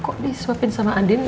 kok disuapin sama andin